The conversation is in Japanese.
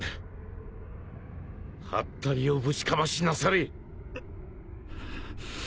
はったりをぶちかましなされ。